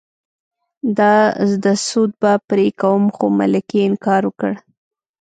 د زده سود به پرې کوم خو ملکې انکار وکړ.